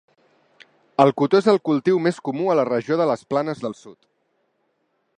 El cotó és el cultiu més comú a la regió de les Planes del Sud.